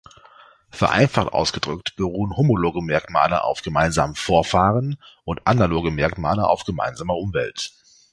Vereinfacht ausgedrückt beruhen homologe Merkmale auf gemeinsamen Vorfahren und analoge Merkmale auf gemeinsamer Umwelt.